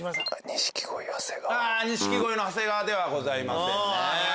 錦鯉の長谷川ではございません。